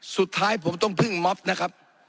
สุดท้ายผมต้องพึ่งม็อบนะครับ